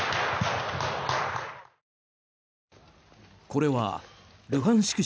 これはルハンシク